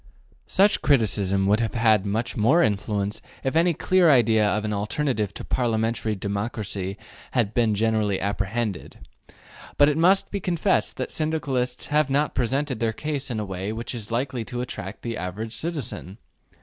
Such criticism would have had more influence if any clear idea of an alternative to parliamentary democracy had been generally apprehended. But it must be confessed that Syndicalists have not presented their case in a way which is likely to attract the average citizen.